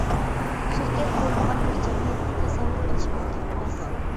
شىركەت بولمىغان بىر جەمئىيەتنى تەسەۋۋۇر قىلىش مۇمكىن ئەمەس.